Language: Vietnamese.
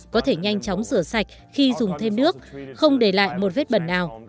có thể nhanh chóng rửa sạch khi dùng thêm nước không để lại một vết bẩn nào